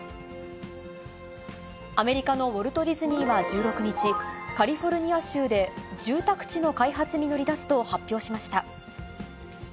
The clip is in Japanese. アメリカのウォルト・ディズニーは１６日、カリフォルニア州で住宅地の開発に乗り出すと発表しました。